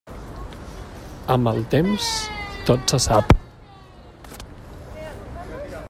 Amb el temps, tot se sap.